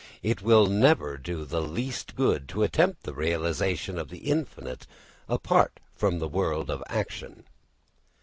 It will never do the least good to attempt the realisation of the infinite apart from the world of action.